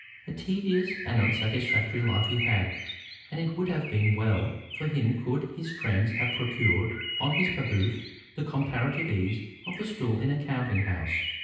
A tedious and unsatisfactory life he had, and it would have been well for him could his friends have procured on his behoof the comparative ease of a stool in a counting house.